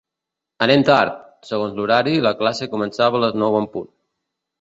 Anem tard! Segons l'horari, la classe començava a les nou en punt.